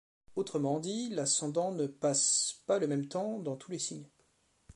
Autrement dit, l'ascendant ne passe pas le même temps dans tous les signes.